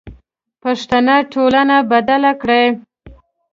پښتنه ټولنه بدله کړئ.